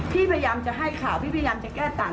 พยายามจะให้ข่าวพี่พยายามจะแก้ต่าง